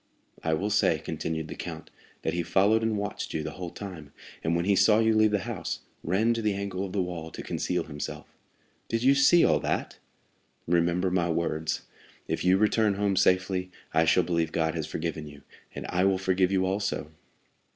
"I will say," continued the count, "that he followed and watched you the whole time, and when he saw you leave the house, ran to the angle of the wall to conceal himself." "Did you see all that?" "Remember my words: 'If you return home safely, I shall believe God has forgiven you, and I will forgive you also.